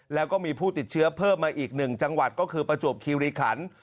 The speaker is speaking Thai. แล้วก็มีผู้ติดเชื้อเพิ่มมาอีก๑จังหวัดก็คือประจวบคิริขัน